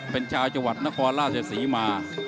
เป็นชาวจังหวัดนครราชศรีมา